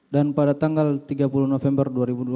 dan pada tanggal tiga puluh november dua ribu dua puluh satu